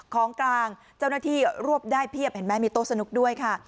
ของกลางเจ้าหน้าที่รวบได้เพียบเห็นไหมมีโต๊ะสนุกด้วยค่ะ